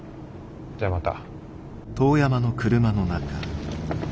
じゃあまた。